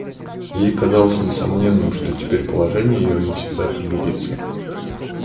Ей казалось несомненным, что теперь положение ее навсегда определится.